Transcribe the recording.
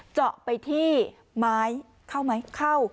เจาะไปที่ไม้เข้าไหมเข้า